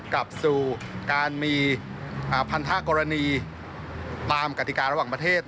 กลับสู่การมีพันธกรณีตามกติการะหว่างประเทศ